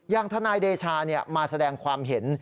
ทนายเดชามาแสดงความเห็น